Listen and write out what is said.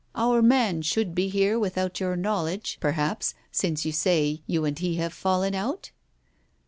Our man should be here, without your knowledge, perhaps, since you say you and he have fallen out